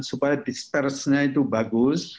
supaya dispersenya itu bagus